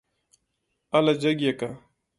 اله جګ يې که.